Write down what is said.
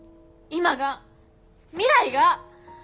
今が未来が。